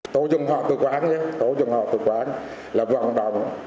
tổ dân họ tự quán tổ dân họ tự quán là vận động